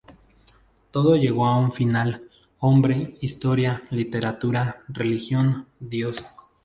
Todo llegó a un final –hombre, historia, literatura, religión, Dios.